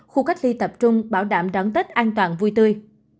khu cách ly tập trung bảo đảm đón tết an toàn vui tươi